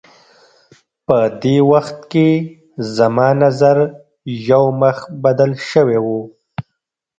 په دې وخت کې زما نظر یو مخ بدل شوی و.